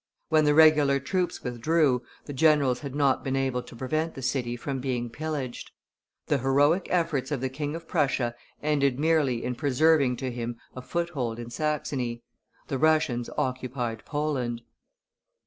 When the regular troops withdrew, the generals had not been able to prevent the city from being pillaged. The heroic efforts of the King of Prussia ended merely in preserving to him a foothold in Saxony. The Russians occupied Poland.